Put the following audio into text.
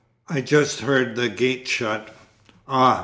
I just heard the gate shut." "Ah!"